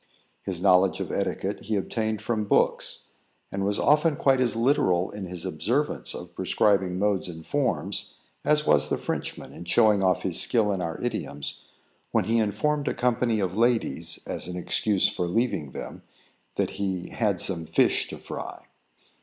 His knowledge of etiquette he obtained from books, and was often quite as literal in his observance of prescribing modes and forms, as was the Frenchman in showing off his skill in our idioms, when he informed a company of ladies, as an excuse for leaving them, that he had "some fish to fry."